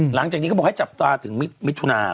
หลังจากนี้เขาบอกให้จับตาถึงมิถุนา